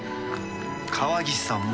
川岸さんも。